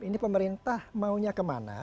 ini pemerintah maunya kemana